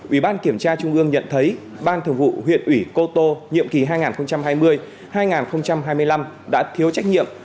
ubkt nhận thấy ban thường vụ huyện ủy cô tô nhiệm kỳ hai nghìn hai mươi hai nghìn hai mươi năm đã thiếu trách nhiệm